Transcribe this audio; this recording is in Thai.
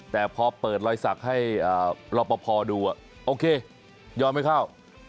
แต่พอเปิดรอยสักให้รอปภดูโอเคยอมให้เข้า